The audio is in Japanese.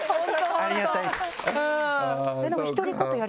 ありがたいです！